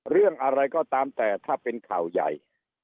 เรื่องอะไรก็ตามแต่ถ้าเป็นข่าวใหญ่